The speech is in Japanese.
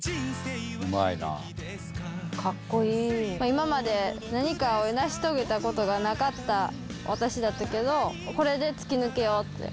今まで何かを成し遂げた事がなかった私だったけどこれで突き抜けようって。